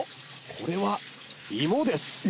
これは芋です！